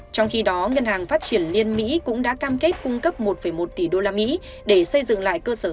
trong khi đó ngân hàng phát triển liên mỹ cũng đã cam kết cung cấp một một tỷ đô la mỹ để xây dựng lại cơ sở hạng